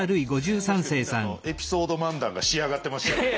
確かにみんなエピソード漫談が仕上がってましたよね。